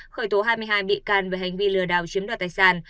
khởi tố hai mươi hai bị can về hành vi lừa đảo chiếm đoạt tài sản